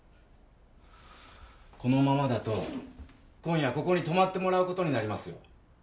このままだと今夜ここに泊まってもらうことになりますよ。